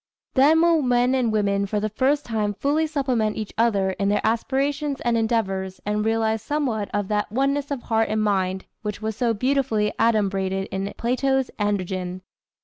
Then will men and women for the first time fully supplement each other in their aspirations and endeavors and realize somewhat of that oneness of heart and mind which was so beautifully adumbrated in Plato's androgyn.